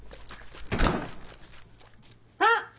あっ！